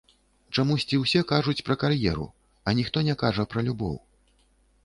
Чамусьці ўсе кажуць пра кар'еру, а ніхто не кажа пра любоў.